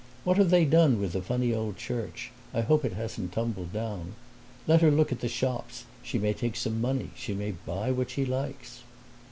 "What have they done with the funny old church? I hope it hasn't tumbled down. Let her look at the shops; she may take some money, she may buy what she likes."